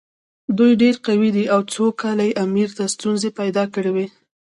دوی ډېر قوي دي او څو کاله یې امیر ته ستونزې پیدا کړې وې.